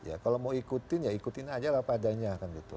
ya kalau mau ikutin ya ikutin aja lah apa adanya kan gitu